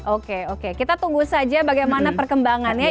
oke oke kita tunggu saja bagaimana perkembangannya